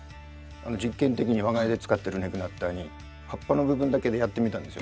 実験的に我が家で使っているネグナッターに葉っぱの部分だけでやってみたんですよ。